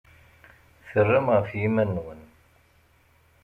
Terram ɣef yiman-nwen.